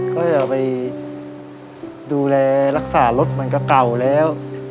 ก็เลยเอาไปดูแลรักษารถมันก็เก่าแล้ว